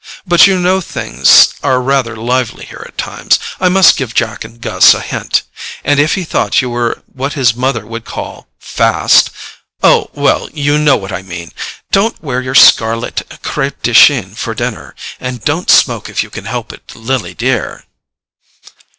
"But you know things are rather lively here at times—I must give Jack and Gus a hint—and if he thought you were what his mother would call fast—oh, well, you know what I mean. Don't wear your scarlet CREPE DE CHINE for dinner, and don't smoke if you can help it, Lily dear!"